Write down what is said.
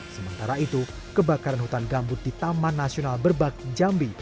sementara itu kebakaran hutan gambut di taman nasional berbak jambi